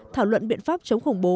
thảo luận biện pháp chống khủng bố